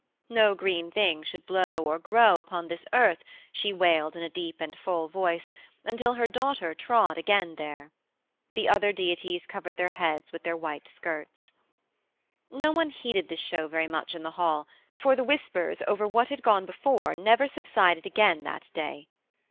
No green thing should blow nor grow upon this earth, she wailed in a deep and full voice, until again her daughter trod there. The other deities covered their heads with their white skirts. No one heeded this show very much in the hall, for the whispers over what had gone before never subsided again that day.